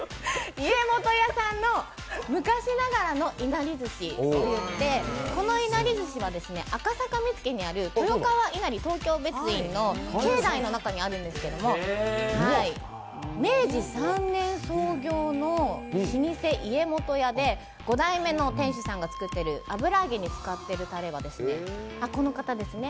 家元屋さんの昔ながらのいなりずしで、このいなりずしは、赤坂見附にある豊川稲荷東京別院の境内の中にあるんですけど明治３年創業の老舗、家元屋で５代目の店主さんが作ってる油揚げに使ってるタレはですね